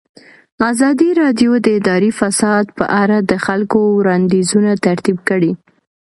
ازادي راډیو د اداري فساد په اړه د خلکو وړاندیزونه ترتیب کړي.